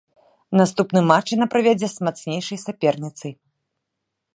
Наступны матч яна правядзе з мацнейшай саперніцай.